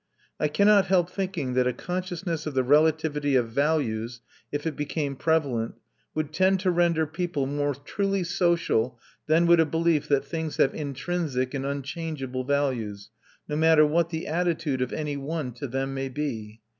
I cannot help thinking that a consciousness of the relativity of values, if it became prevalent, would tend to render people more truly social than would a belief that things have intrinsic and unchangeable values, no matter what the attitude of any one to them may be.